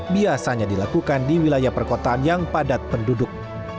biasanya dilakukan di wilayah perkotaan yang padat penduduk